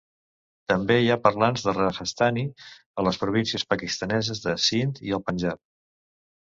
També hi ha parlants de rajasthani a les províncies pakistaneses de Sind i el Panjab.